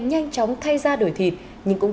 nhanh chóng thay ra đổi thịt nhưng cũng